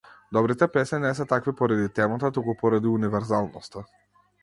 Добрите песни не се такви поради темата, туку поради универзалноста.